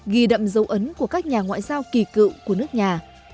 ghi đậm dấu ấn của các nhà ngoại giao kỳ cựu của nước nhà